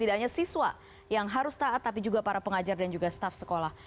tidak hanya siswa yang harus taat tapi juga para pengajar dan juga staff sekolah